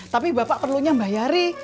tapi bapak perlunya bayari